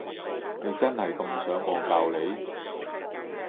你真係咁想我教你？